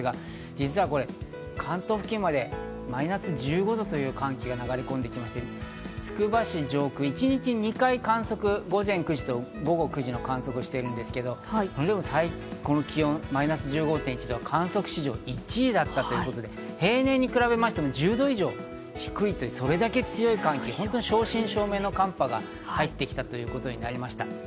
実はこれ、関東付近までマイナス１５度という寒気が流れ込んでいまして、つくば市の上空、一日２回観測しているんですが、マイナス１５．１度、観測史上１位ということで、平年に比べても１０度以上低い、それだけ強い寒気、正真正銘の寒波が入ってきたということになりました。